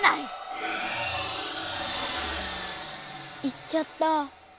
行っちゃった。